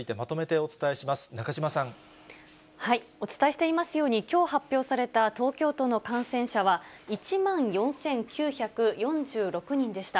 お伝えしていますように、きょう発表された東京都の感染者は、１万４９４６人でした。